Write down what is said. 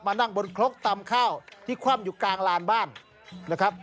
นั่งบนครกตำข้าวที่คว่ำอยู่กลางลานบ้านนะครับ